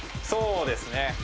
そうですね。